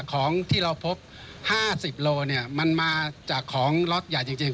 ของที่เราพบห้าสิบโลเนี่ยมันมาจากของล็อตใหญ่จริงจริง